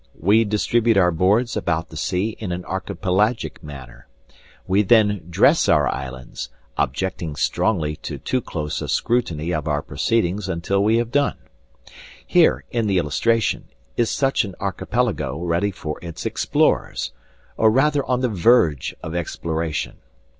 We distribute our boards about the sea in an archipelagic manner. We then dress our islands, objecting strongly to too close a scrutiny of our proceedings until we have done. Here, in the illustration, is such an archipelago ready for its explorers, or rather on the verge of exploration.